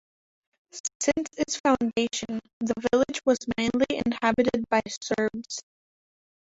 Since its foundation, the village was mainly inhabited by Serbs.